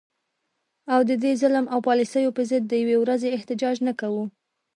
او د دې ظلم او پالیسو په ضد د یوې ورځي احتجاج نه کوو